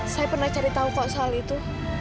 saya pernah cari tahu kok soal itu